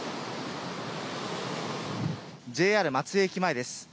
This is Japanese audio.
ＪＲ松江駅前です。